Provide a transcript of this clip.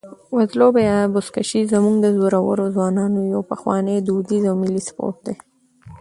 وزلوبه یا بزکشي زموږ د زړورو ځوانانو یو پخوانی، دودیز او ملي سپورټ دی.